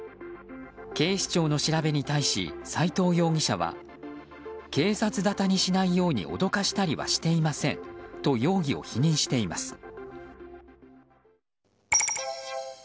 警視庁の調べに対し斎藤容疑者は警察沙汰にしないように脅かしたりはしていませんと容疑を否認しています。